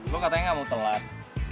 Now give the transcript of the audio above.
lo katanya gak mau telat